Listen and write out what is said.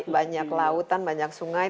banyak lautan banyak sungai